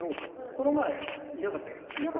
この前いなかったですよね。